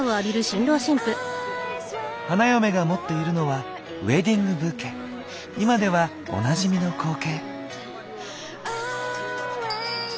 花嫁が持っているのは今ではおなじみの光景。